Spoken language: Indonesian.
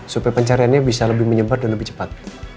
supaya pencariannya bisa lebih menyebar dan lebih cepat